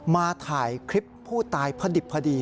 มาถ่ายคลิปผู้ตายพอดิบพอดี